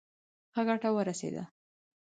ښه ګټه ورسېده.